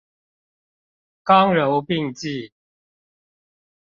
剛柔並濟